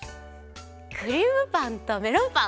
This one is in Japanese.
クリームパンとメロンパン。